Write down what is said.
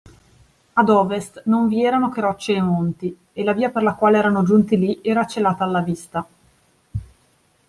Ad ovest non vi erano che rocce e monti, e la via per la quale erano giunti lì era celata alla vista.